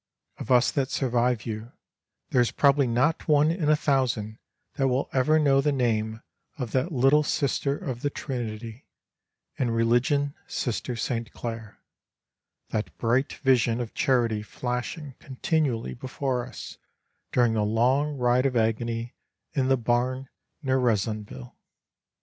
Of us that survive you there is probably not one in a thousand that will ever know the name of that little Sister of the Trinity in religion Sister St. Claire that bright vision of charity flashing continually before us during the long ride of agony in the barn near Rezonville.